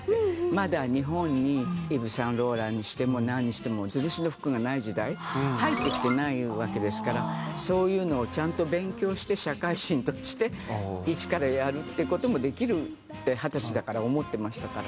まだ日本にイヴ・サンローランにしてもなんにしても入ってきてないわけですからそういうのをちゃんと勉強して社会人として一からやるっていう事もできるって二十歳だから思ってましたから。